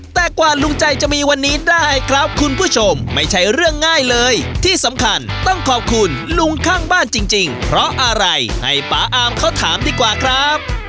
แต่กว่าลุงใจจะมีวันนี้ได้ครับคุณผู้ชมไม่ใช่เรื่องง่ายเลยที่สำคัญต้องขอบคุณลุงข้างบ้านจริงเพราะอะไรให้ป๊าอามเขาถามดีกว่าครับ